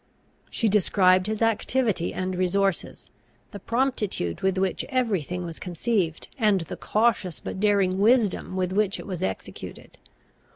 She described his activity and resources, the promptitude with which every thing was conceived, and the cautious but daring wisdom with which it was executed.